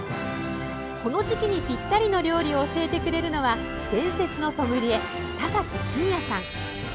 この時期にぴったりの料理を教えてくれるのは伝説のソムリエ、田崎真也さん。